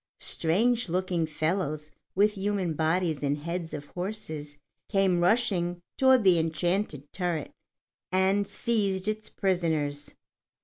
Strange looking fellows with human bodies and heads of horses came rushing toward the enchanted turret, and seized its prisoners.